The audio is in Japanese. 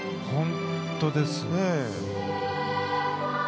本当ですね。